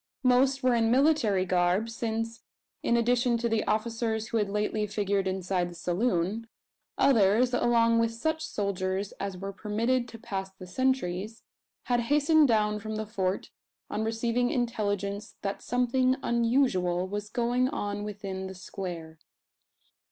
Most were in military garb: since, in addition to the officers who had lately figured inside the saloon, others, along with such soldiers as were permitted to pass the sentries, had hastened down from the Fort on receiving intelligence that something unusual was going on within the "square."